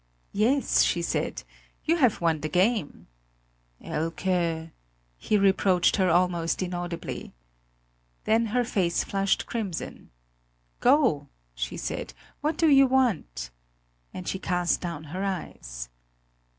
"Yes," she said, "you have won the game." "Elke!" he reproached her almost inaudibly. Then her face flushed crimson: "Go!" she said; "what do you want?" and she cast down her eyes.